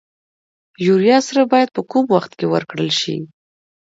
یوریا سره باید په کوم وخت کې ورکړل شي؟